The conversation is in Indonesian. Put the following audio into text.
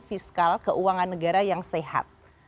fiskal keuangan negara yang sehat